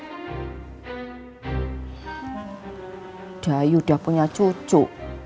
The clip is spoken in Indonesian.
udah yuda punya cucu